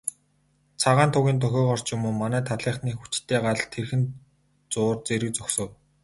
Цагаан тугийн дохиогоор ч юм уу, манай талынхны хүчтэй гал тэрхэн зуур зэрэг зогсов.